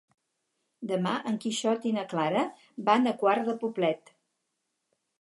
Demà en Quixot i na Clara van a Quart de Poblet.